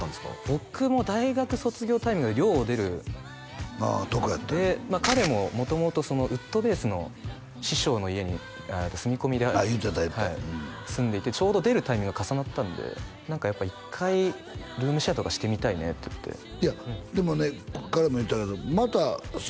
僕も大学卒業タイミングで寮を出るああとこやったんやで彼も元々ウッドベースの師匠の家に住み込みでああ言うてたうんはい住んでいてちょうど出るタイミングが重なったんで何かやっぱ一回ルームシェアとかしてみたいねって言っていやでもね彼も言うてたけどまた住むのやったら